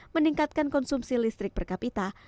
meningkatkan konsumsi listrik per kapita